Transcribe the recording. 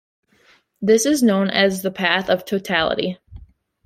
This is known as the path of totality.